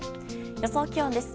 予想気温です。